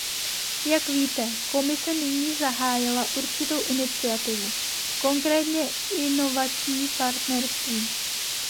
Jak víte, Komise nyní zahájila určitou iniciativu, konkrétně inovační partnerství.